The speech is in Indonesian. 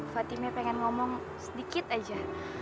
fatima pengen ngomong sedikit aja